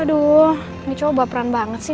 aduh ini coba baperan banget sih